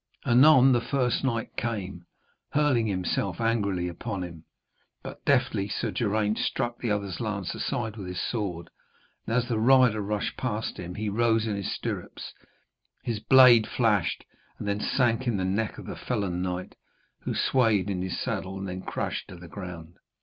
Anon the first knight came, hurling himself angrily upon him. But deftly Sir Geraint struck the other's lance aside with his sword, and as the rider rushed past him, he rose in his stirrups, his blade flashed, and then sank in the neck of the felon knight, who swayed in his saddle and then crashed to the ground.